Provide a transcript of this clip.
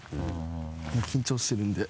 緊張してるんで。